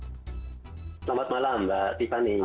selamat malam mbak tiffany